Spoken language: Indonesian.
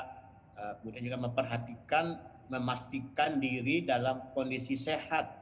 kemudian juga memperhatikan memastikan diri dalam kondisi sehat